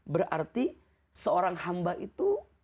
berarti seorang hamba itu